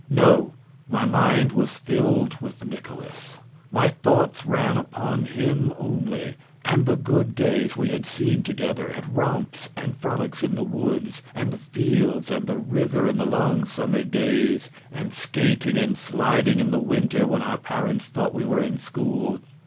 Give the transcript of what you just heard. No, my mind was filled with Nikolaus, my thoughts ran upon him only, and the good days we had seen together at romps and frolics in the woods and the fields and the river in the long summer days, and skating and sliding in the winter when our parents thought we were in school.